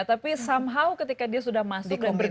tapi somehow ketika dia sudah masuk dan berkembang